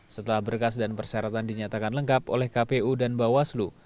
setelah berkas dan persyaratan dinyatakan lengkap oleh kpu dan bawaslu